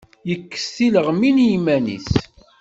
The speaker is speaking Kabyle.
Ikes tileɣmin iman-is.